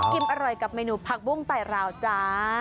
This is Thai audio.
กินอร่อยกับเมนูผักบุ้งใต้ราวจ๊ะ